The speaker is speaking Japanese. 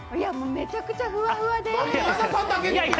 めちゃくちゃふわふわで。